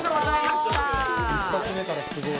一発目からすごい。